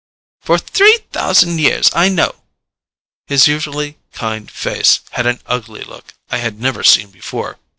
"For three thousand years. I know." His usually kind face had an ugly look I had never seen before.